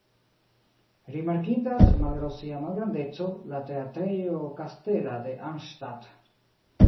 Rimarkindas, malgraŭ sia malgrandeco, la Teatrejo kastela de Arnstadt.